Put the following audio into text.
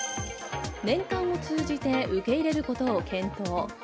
年間を通じて受け入れることを検討。